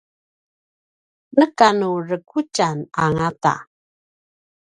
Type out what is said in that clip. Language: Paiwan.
nekanu rekutjan angata